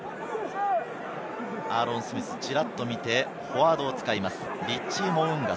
アーロン・スミス、ちらっと見て、フォワードを使います。